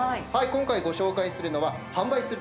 今回ご紹介するのは。